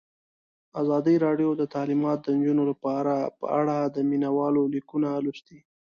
ازادي راډیو د تعلیمات د نجونو لپاره په اړه د مینه والو لیکونه لوستي.